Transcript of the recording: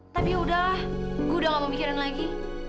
tapi yaudah gue udah gak mau mikirin lagi